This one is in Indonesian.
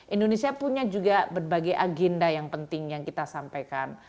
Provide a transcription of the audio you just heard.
indonesia punya juga berbagai agenda yang penting yang kita sampaikan